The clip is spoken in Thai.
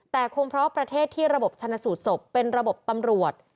แต่คงเพราะประเทศที่ระบบชนะสูตรศพเป็นระบบตำรวจ